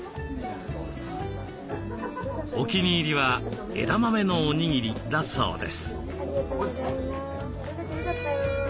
お気に入りは枝豆のおにぎりだそうです。